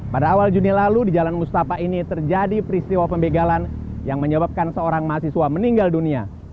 pada awal juni lalu di jalan mustafa ini terjadi peristiwa pembegalan yang menyebabkan seorang mahasiswa meninggal dunia